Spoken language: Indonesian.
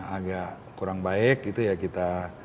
agak kurang baik itu ya kita